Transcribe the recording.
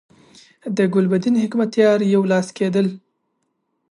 د ګلبدین حکمتیار یو لاس کېدل.